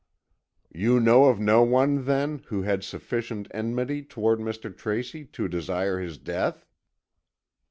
"You know of no one then, who had sufficient enmity toward Mr. Tracy to desire his death?"